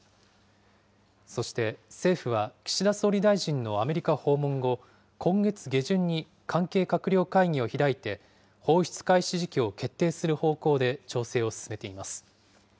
そして、政府は岸田総理大臣のアメリカ訪問後、今月下旬に関係閣僚会議を開いて、放出開始時期を決定する方向で調整を進めています。